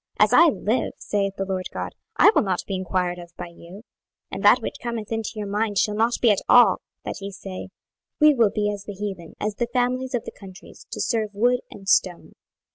As I live, saith the Lord GOD, I will not be enquired of by you. 26:020:032 And that which cometh into your mind shall not be at all, that ye say, We will be as the heathen, as the families of the countries, to serve wood and stone.